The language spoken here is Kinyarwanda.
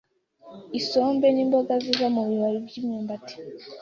isombe ni imboga ziva mu bibabi by’imyumbati,